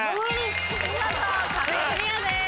見事壁クリアです。